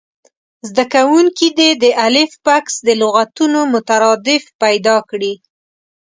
زده کوونکي دې د الف بکس د لغتونو مترادف پیدا کړي.